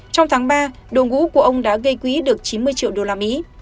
trong tháng ba đồ ngũ của ông đã gây quý được chín mươi triệu đô la mỹ